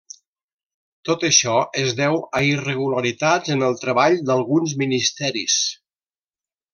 Tot això es deu a irregularitats en el treball d'alguns ministeris.